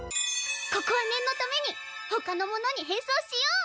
ここはねんのためにほかのものにへんそうしよう。